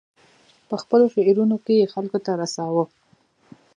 په خپلو شعرونو کې یې خلکو ته رساوه.